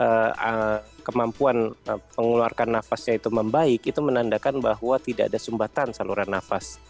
kalau kemampuan mengeluarkan nafasnya itu membaik itu menandakan bahwa tidak ada sumbatan saluran nafas